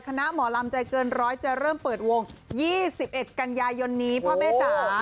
หมอลำใจเกินร้อยจะเริ่มเปิดวง๒๑กันยายนนี้พ่อแม่จ๋า